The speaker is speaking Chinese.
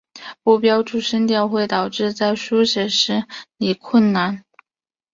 不标注声调会导致在书写时理困难。